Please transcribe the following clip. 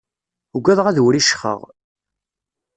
Ugadeɣ ad wriccxeɣ.